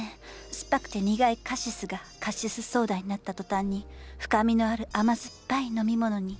酸っぱくて苦いカシスがカシスソーダになった途端に深みのある甘酸っぱい飲み物に。